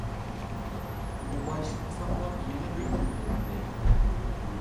ئۇ باشلىقنى ساقلاپ يەنە بىر كۈن ئۆتتى.